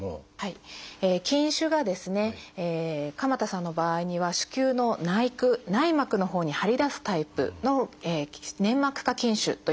筋腫がですね鎌田さんの場合には子宮の内腔内膜のほうに張り出すタイプの「粘膜下筋腫」というものでした。